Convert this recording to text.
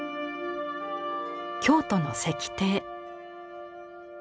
京都の石庭。